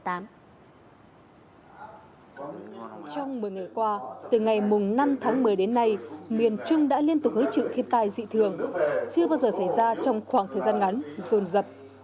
trong một mươi ngày qua từ ngày năm tháng một mươi đến nay miền trung đã liên tục hứng chịu thiên tai dị thường chưa bao giờ xảy ra trong khoảng thời gian ngắn rồn rập